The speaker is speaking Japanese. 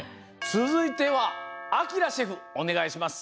つづいてはあきらシェフおねがいします。